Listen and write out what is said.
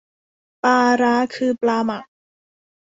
ปลาร้า คือปลาหมัก